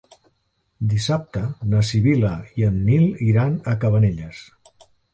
Dissabte na Sibil·la i en Nil iran a Cabanelles.